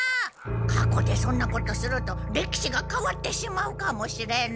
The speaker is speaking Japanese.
過去でそんなことすると歴史がかわってしまうかもしれぬ。